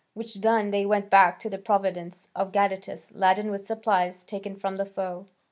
Which done, they went back to the province of Gadatas, laden with supplies taken from the foe.